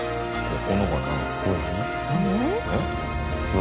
何？